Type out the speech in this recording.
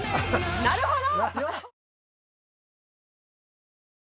なるほど！